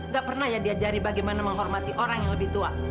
gak pernah ya diajari bagaimana menghormati orang yang lebih tua